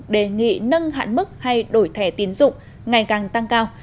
đề nghị nâng hạn mức hay đổi thẻ tiến dụng ngày càng tăng cao